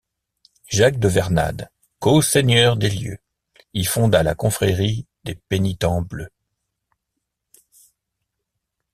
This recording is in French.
Jacques de Vernade, coseigneur des lieux, y fonda la confrérie des pénitents bleus.